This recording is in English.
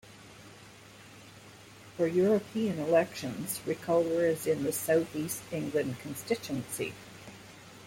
For European elections Reculver is in the South East England constituency.